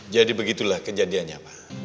jadi begitulah kejadiannya pak